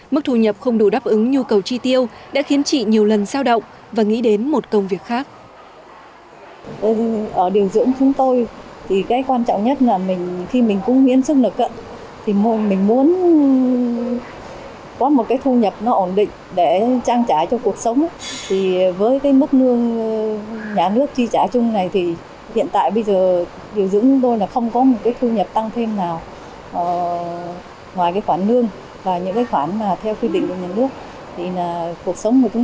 mức thu nhập không đủ đáp ứng nhu cầu tri tiêu đã khiến chị nhiều lần sao động và nghĩ đến một công việc khác